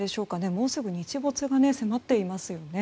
もうすぐ日没が迫っていますね。